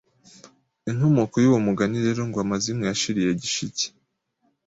Inkomoko y'uwo mugani rero, ngo: « Amazimwe yashiriye gishike,